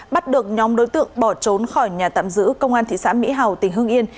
bắt được nhóm đối tượng bỏ trốn khỏi nhà tạm giữ công an thị xã mỹ hào tỉnh hưng yên